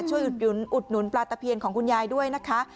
อุดหนุนอุดหนุนปลาตะเพียนของคุณยายด้วยนะคะ